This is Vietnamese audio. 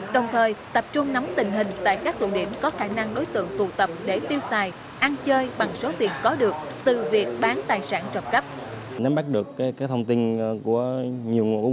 đồng thời tập trung nắm tình hình tại các tụi điểm có khả năng đối tượng tụ tập để tiêu xài